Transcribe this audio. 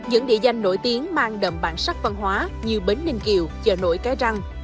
những địa danh nổi tiếng mang đậm bản sắc văn hóa như bến ninh kiều chợ nổi cái răng